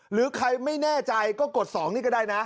หรือใครไม่แน่ใจก็กด๒นี่ก็ได้นะ